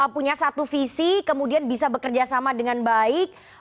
punya satu visi kemudian bisa bekerjasama dengan baik